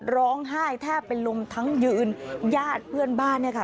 ร้องไห้แทบเป็นลมทั้งยืนญาติเพื่อนบ้านเนี่ยค่ะ